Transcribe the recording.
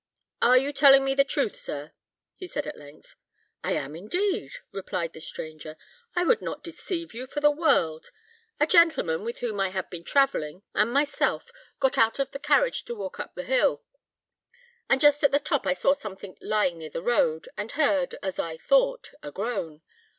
"Are you telling me the truth, sir?" he said at length. "I am, indeed," replied the stranger; "I would not deceive you for the world. A gentleman, with whom I have been travelling, and myself, got out of the carriage to walk up the hill, and just at the top I saw something lying near the road, and heard, as I thought, a groan.